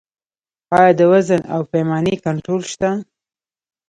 آیا د وزن او پیمانې کنټرول شته؟